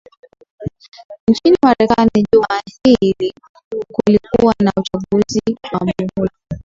nchini marekani juma hili kulikuwa na uchaguzi wa muhula